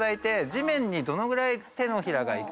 地面にどのぐらい手のひらが指が行くか。